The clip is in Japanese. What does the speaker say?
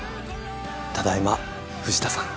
ただいま藤田さん。